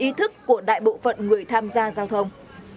ý thức của đại bộ phận người tham gia giao thông